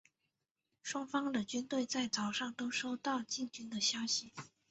双方的军队在早上都收到进军的消息。